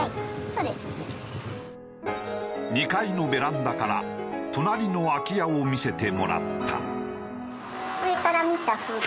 ２階のベランダから隣の空き家を見せてもらった。